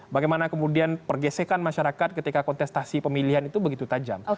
bagaimana kemudian pergesekan masyarakat ketika kontestasi pemilihan itu begitu tajam